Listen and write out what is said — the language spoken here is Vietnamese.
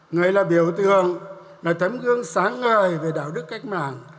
người là biểu tượng là thấm gương sáng ngời về đạo đức cách mạng